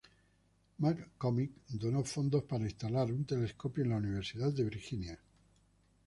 McCormick donó fondos para instalar un telescopio en la Universidad de Virginia.